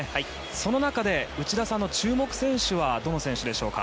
その中で内田さんの注目選手はどの選手でしょうか。